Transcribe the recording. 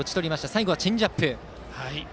最後はチェンジアップ。